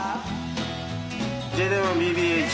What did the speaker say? Ｊ０１ＢＢＨ。